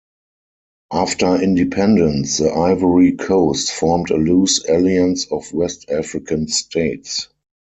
After independence, the Ivory Coast formed a loose alliance of West African states.